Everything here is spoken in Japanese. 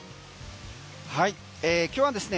今日はですね